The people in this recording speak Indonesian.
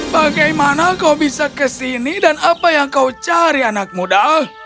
bagaimana kau bisa ke sini dan apa yang kau cari anak muda